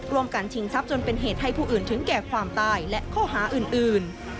การชิงทรัพย์จนเป็นเหตุให้ผู้อื่นถึงแก่ความตายและข้อหาอื่น